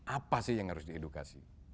apa sih yang harus di edukasi